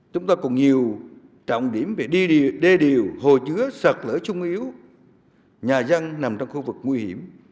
chúng ta còn nhiều trọng điểm về đê điều hồ chứa sợt lỡ chung yếu nhà dân nằm trong khu vực nguy hiểm